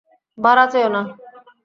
ভাড়া চেয়ো না।